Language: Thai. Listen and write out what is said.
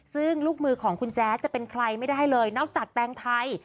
ซึ่งลูกมือของคุณแจ๊ดจะเป็นใครไม่ได้เลยนอกจากแตงไทย